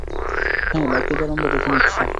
হ্যাঁ, বাকিদের আমরা দেখে নিচ্ছি।